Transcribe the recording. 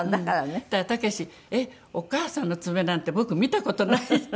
そしたら武「えっお母さんの爪なんて僕見た事ない」って。